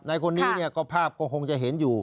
ในคนนี้เนี่ยก็ภาพก็คงจะเห็นอยู่